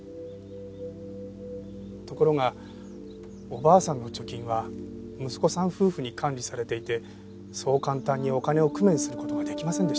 ところがおばあさんの貯金は息子さん夫婦に管理されていてそう簡単にお金を工面する事ができませんでした。